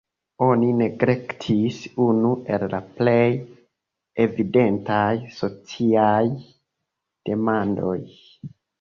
Oni neglektis unu el la plej evidentaj sociaj demandoj.